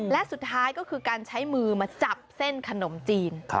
และสุดท้ายก็คือการใช้มือมาจับเส้นขนมจีน